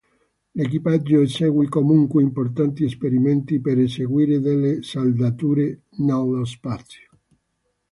L'equipaggio eseguì comunque importanti esperimenti per eseguire delle saldature nello spazio.